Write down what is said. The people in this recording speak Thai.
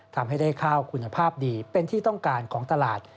ทำให้ได้ข้าวคุณภาพดีเป็นที่ต้องการของตลาด